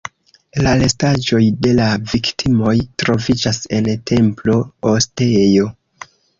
La restaĵoj de la viktimoj troviĝas en templo-ostejo.